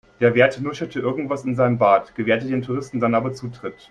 Der Wärter nuschelte irgendwas in seinen Bart, gewährte den Touristen dann aber Zutritt.